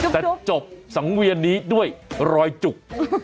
แต่จบสังเวียนนี้ด้วยรอยจุก